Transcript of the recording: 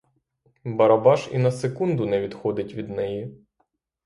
Барабаш і на секунду не відходить від неї.